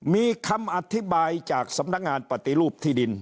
มีคำอธิบายจากสำนักงานปฏิรูปที่ดิน